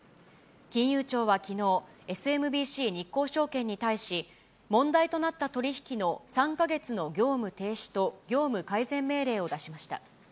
金融庁はきのう、ＳＭＢＣ日興証券に対し、問題となった取り引きの３か月の業務停止と、業務改善命令を出しました。